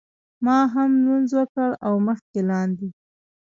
ما هم لمونځ وکړ او مخکې لاندې.